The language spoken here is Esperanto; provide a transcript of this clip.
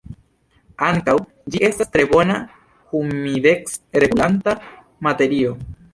Ankaŭ, ĝi estas tre bona humidec-regulanta materio.